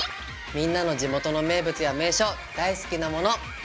みんなの地元の名物や名所大好きなもの。